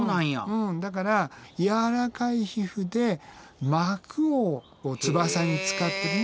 うんだから柔らかい皮膚で膜を翼に使ってね。